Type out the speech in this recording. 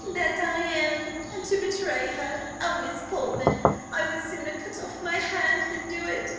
"That I am! and to betray her! Oh, Miss Portman, I would sooner cut off my hand than do it.